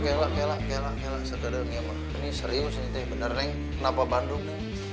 pengen kuliahnya di bandung